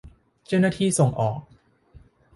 เจ้าหน้าที่ส่งออก